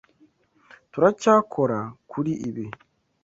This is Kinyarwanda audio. Turacyakora kuri ibi.